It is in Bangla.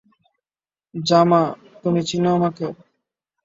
জামা, তুমি চিন আমাকে।